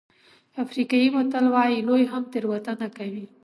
افریقایي متل وایي لوی هم تېروتنه کوي.